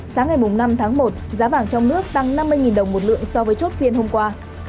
sáng ngày năm tháng một giá vàng trong nước tăng năm mươi đồng một lượng so với chốt phiên hôm qua